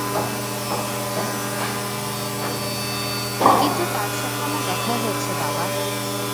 কিন্তু তার সাথে আমার দেখা হয়েছে, বাবা।